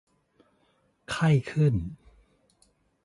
ไข้ขึ้น